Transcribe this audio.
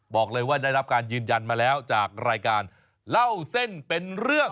บอกเลยว่าได้รับการยืนยันมาแล้วจากรายการเล่าเส้นเป็นเรื่อง